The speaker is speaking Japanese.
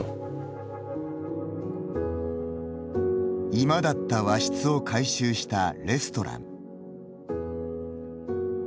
居間だった和室を改修したレストラン。